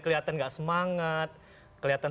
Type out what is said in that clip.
kelihatan gak semangat kelihatan